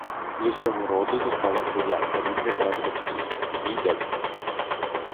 З усього роду зосталася я та рідний брат батьків — мій дядько.